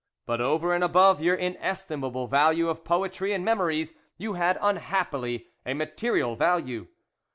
But over and above your inestimable value of poetry and memories, you had, unhappily, a material value.